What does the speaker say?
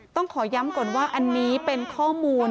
ต้องขอย้ำก่อนว่าอันนี้เป็นข้อมูล